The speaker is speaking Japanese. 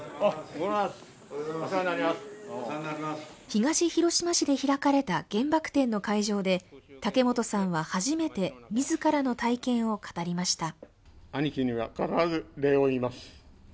東広島市で開かれた原爆展の会場で竹本さんは初めて自らの体験を語りました。